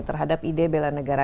terhadap ide belanegara